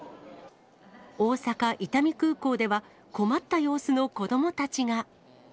大阪・伊丹空港では、困った様子の子どもたちが。